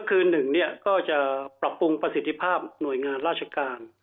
คือหนึ่งก็จะปรับปรุงประสิทธิภาพหน่วยงานราชการ